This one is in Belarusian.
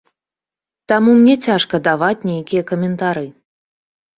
Таму мне цяжка даваць нейкія каментары.